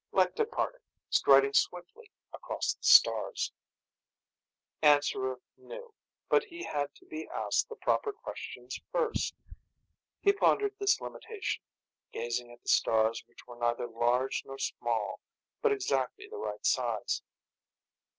Lek departed, striding swiftly across the stars. Answerer knew. But he had to be asked the proper questions first. He pondered this limitation, gazing at the stars which were neither large nor small, but exactly the right size.